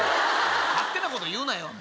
勝手なこと言うなよ。